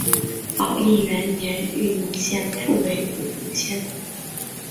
宝应元年豫宁县复为武宁县。